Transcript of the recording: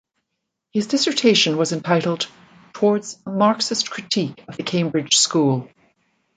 His dissertation was entitled "Towards a Marxist Critique of the Cambridge School".